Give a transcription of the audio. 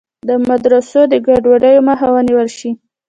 د مدرسو د ګډوډیو مخه ونیول شي.